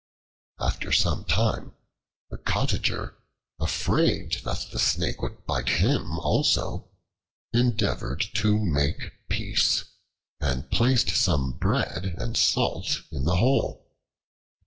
After some time the Cottager, afraid that the Snake would bite him also, endeavored to make peace, and placed some bread and salt in the hole.